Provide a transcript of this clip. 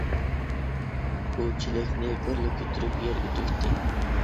ئۇ چېلەكنى بىرلا كۆتۈرۈپ يەرگە تۆكتى.